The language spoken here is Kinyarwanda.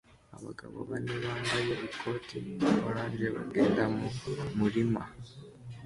Abagabo bane bambaye ikoti rya orange bagenda mu murima